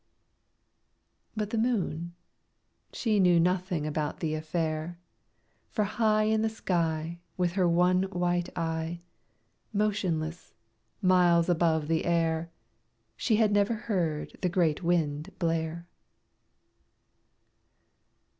But the Moon, she knew nothing about the affair, For high In the sky, With her one white eye, Motionless, miles above the air, She had never heard the great Wind blare.